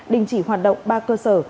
đình chỉ hoạt động ba cơ sở